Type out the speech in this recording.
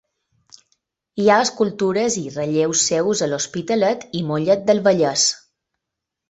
Hi ha escultures i relleus seus a l'Hospitalet i Mollet del Vallès.